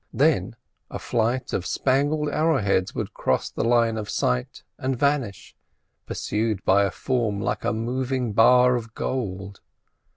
Then a flight of spangled arrowheads would cross the line of sight and vanish, pursued by a form like a moving bar of gold.